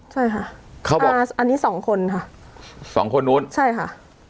ใช่ค่ะเขาบอกมาอันนี้สองคนค่ะสองคนนู้นใช่ค่ะ